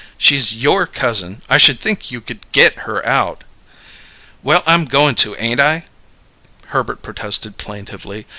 She's your cousin; I should think you could get her out!" "Well, I'm goin' to, ain't I?" Herbert protested plaintively.